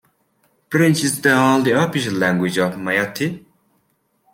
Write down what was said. French is the only official language of Mayotte.